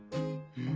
うん？